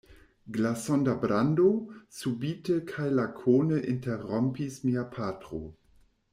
Glason da brando? subite kaj lakone interrompis mia patro.